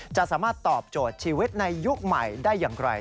จะสามารถตอบโจทย์ชีวิตในยุคใหม่ได้อย่างไร